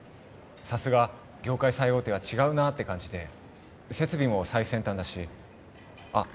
さすが業界最大手は違うなって感じで設備も最先端だしあっ